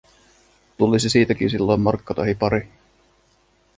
Tulisi siitäkin silloin markka tahi pari.